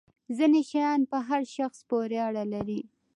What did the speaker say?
ځینې شیان پر هر شخص پورې اړه لري.